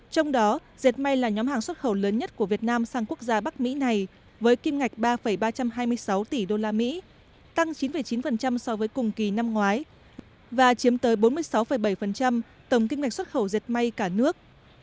trong đó dệt may là nhóm hàng xuất khẩu lớn nhất của việt nam sang quốc gia bắc mỹ này với kim ngạch ba ba trăm hai mươi sáu tỷ usd tăng chín chín so với cùng kỳ năm ngoái và chiếm tới bốn mươi sáu bảy tổng kim ngạch xuất khẩu dệt may cả nước